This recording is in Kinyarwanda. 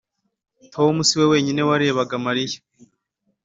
tom si we wenyine warebaga mariya.